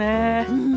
うん。